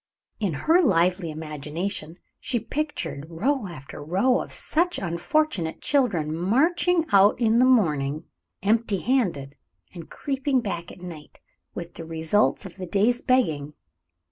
In her lively imagination she pictured row after row of such unfortunate children, marching out in the morning, empty handed, and creeping back at night with the results of the day's begging.